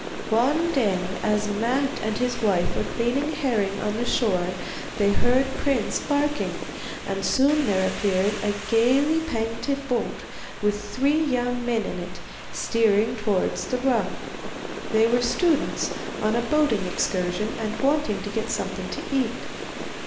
One day as Matte and his wife were cleaning herring on the shore they heard Prince barking, and soon there appeared a gaily painted boat with three young men in it, steering towards the rock. They were students, on a boating excursion, and wanted to get something to eat.